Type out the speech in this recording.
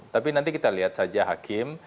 tapi nanti kita lihat saja hakim